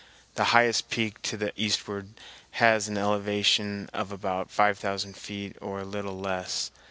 The highest peak to the eastward has an elevation of about five thousand feet or a little less.